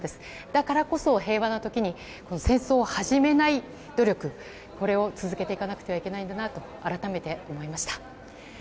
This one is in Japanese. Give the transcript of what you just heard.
だからこそ、平和な時に戦争を始めない努力を続けなくてはいけないんだなと改めて思いました。